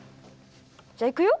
じゃいくよ。